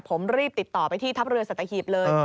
ผมรีบติดต่อไปที่ทัพเรือสัตหีบเลย